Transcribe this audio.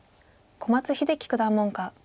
小松英樹九段門下。